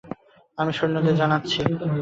আমি সৈন্যদের জানাচ্ছি।